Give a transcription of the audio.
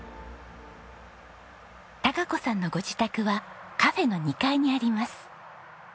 貴子さんのご自宅はカフェの２階にあります。